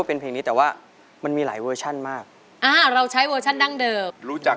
เป็นเพลงนี้แต่ว่ามันมีหลายเวอร์ชันมากอ่าเราใช้เวอร์ชันดั้งเดิมรู้จัก